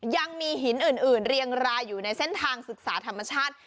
ยังมีหินอื่นเรียงรายอยู่ในเส้นทางศึกษาธรรมชาติ